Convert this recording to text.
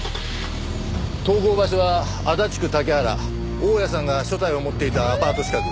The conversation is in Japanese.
投稿場所は足立区竹原大屋さんが所帯を持っていたアパート近く。